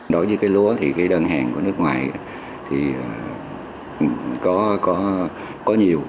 đối với cây lúa thì cái đơn hàng của nước ngoài thì có nhiều